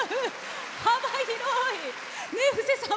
幅広い。